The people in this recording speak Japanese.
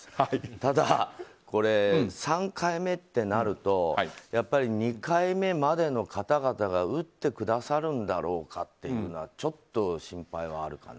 ただ、３回目ってなるとやっぱり２回目までの方々が打ってくださるんだろうかというのはちょっと心配はあるかな。